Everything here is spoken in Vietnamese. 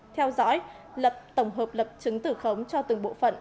theo dõi lập tổng hợp lập chứng tử khống cho từng bộ phận